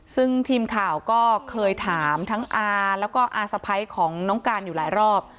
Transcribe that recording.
ซึ่งทีมข่าวก็เคยถามทั้งอาแล้วก็อาสะพ้ายของน้องการอยู่หลายรอบ